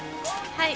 はい。